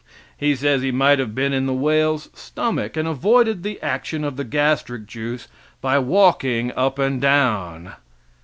He says he might have been in the whale's stomach, and avoided the action of the gastric juice by walking up and down.